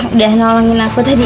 udah nolongin aku tadi